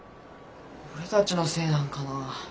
俺たちのせいなのかな？